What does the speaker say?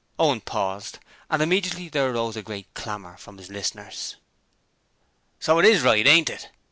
Owen paused, and immediately there arose a great clamour from his listeners. 'So it IS right, ain't it?'